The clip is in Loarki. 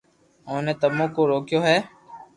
اوني تمو ڪو روڪيو ھي